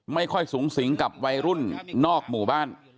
ไม่ค่อยสูงสิงกับวัยรุ่นนอกหมู่บ้าน